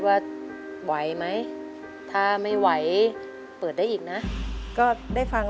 อยากฟังท่อนไหนล้องออกมาก็ได้ครับ